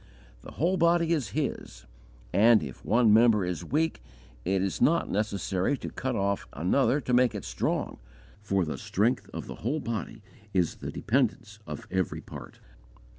The whole body is His, and, if one member is weak, it is not necessary to cut off another to make it strong, for the strength of the whole body is the dependence of every part.